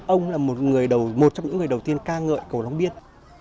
ông là một trong những người đầu tiên ca ngợi cầu long biên